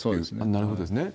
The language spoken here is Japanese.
なるほどですね。